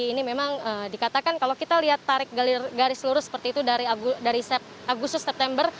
ini memang dikatakan kalau kita lihat tarik garis lurus seperti itu dari agustus september